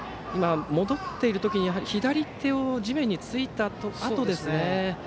戻っている時にやはり左手を地面についたあとですね。